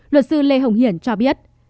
luật sư l hồng hiển cho biết